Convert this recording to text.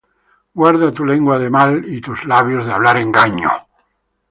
Guarda tu lengua de mal, Y tus labios de hablar engaño.